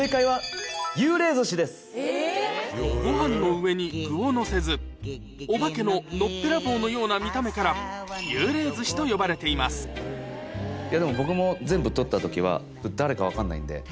ご飯の上に具をのせずお化けののっぺらぼうのような見た目からゆうれい寿司と呼ばれていますでも僕も。